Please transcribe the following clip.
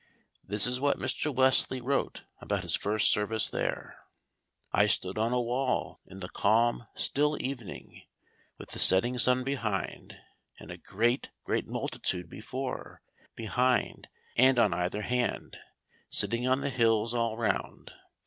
This is what Mr. Wesley wrote about his first service there: "I stood on a wall, in the calm, still evening, with the setting sun behind, and a great, great multitude before, behind, and on either hand, sitting on the hills all round.